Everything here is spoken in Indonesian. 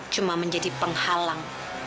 cuma menjadi penghalang